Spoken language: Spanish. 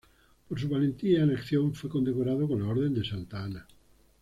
Por su valentía en acción fue condecorado con la Orden de Santa Ana.